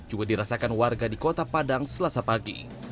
juga dirasakan warga di kota padang selasa pagi